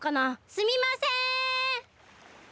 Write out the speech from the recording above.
すみません！